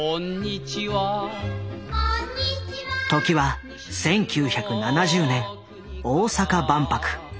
時は１９７０年大阪万博。